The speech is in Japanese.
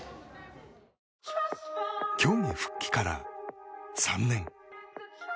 競技復帰から３年。